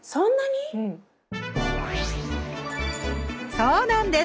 そうなんです。